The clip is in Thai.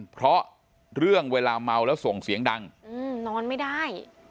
เพราะเรื่องเวลาเมาแล้วส่งเสียงดังนอนไม่ได้